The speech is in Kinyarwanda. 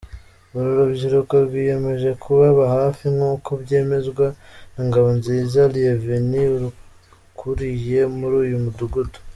Uru rubyiruko rwiyemeje kubaba hafi nkuko byemezwa na Ngabonziza Lyevin urukuriye muri uyu mudugudu.